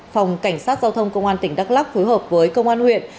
phòng cảnh sát giao thông công an tỉnh đắk lắc phối hợp với công an huyện